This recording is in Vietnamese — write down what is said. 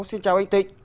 xin chào anh tịnh